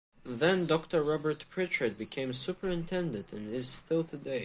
Then Doctor Robert Pritchard became superintendent and is still today.